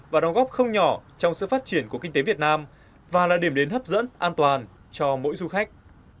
và đóng góp không nhỏ trong sự phát triển của kinh tế việt nam và là điểm đến hấp dẫn an toàn cho mỗi du khách